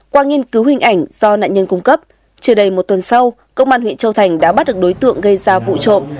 qua nghiên cứu hình ảnh do nạn nhân cung cấp chưa đầy một tuần sau công an huyện châu thành đã bắt được đối tượng gây ra vụ trộm